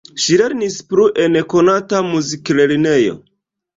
Ŝi lernis plu en konata muziklernejo.